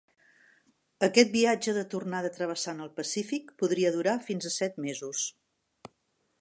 Aquest viatge de tornada travessant el Pacífic podria durar fins a set mesos.